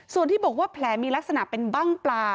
ส่วนที่บอกว่าแผลมีลักษณะเป็นบ้างปลา